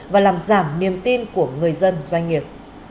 và làm giảm niềm tin của người dân doanh nghiệp